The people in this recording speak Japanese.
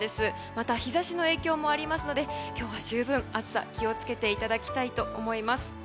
また日差しの影響もありますので今日は十分に暑さに気を付けていただきたいと思います。